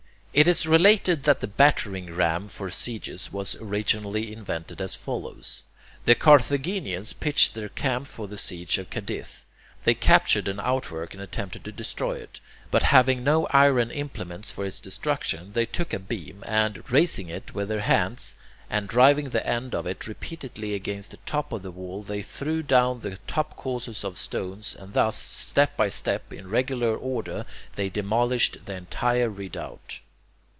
It is related that the battering ram for sieges was originally invented as follows. The Carthaginians pitched their camp for the siege of Cadiz. They captured an outwork and attempted to destroy it. But having no iron implements for its destruction, they took a beam, and, raising it with their hands, and driving the end of it repeatedly against the top of the wall, they threw down the top courses of stones, and thus, step by step in regular order, they demolished the entire redoubt.